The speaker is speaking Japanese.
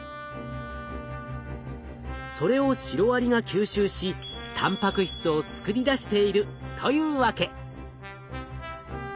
それをシロアリが吸収したんぱく質を作り出しているというわけ。